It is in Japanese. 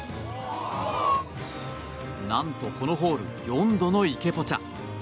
なんとこのホール４度の池ポチャ。